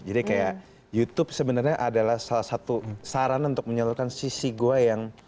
jadi kayak youtube sebenernya adalah salah satu saran untuk menyalurkan sisi gue yang